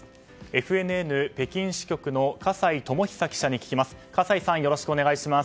ＦＮＮ北京支局の葛西友久記者に聞きます。